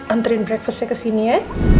anterin breakfastnya kesini ya